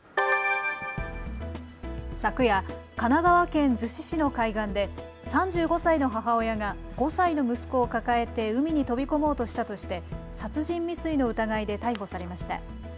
昨夜、神奈川県逗子市の海岸で３５歳の母親が５歳の息子を抱えて海に飛び込もうとしたとして殺人未遂の疑いで逮捕されました。